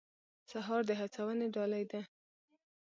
سهار د هڅونې ډالۍ ده.